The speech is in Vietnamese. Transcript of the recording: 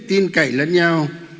tin cậy lẫn nhau